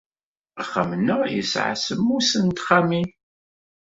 Axxam-nneɣ yesɛa semmus n texxamin.